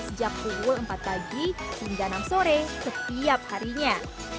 sejak pukul empat pagi hingga enam sore setiap harinya